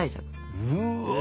うわ！